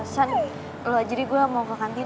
san lo ajari gue mau ke kantin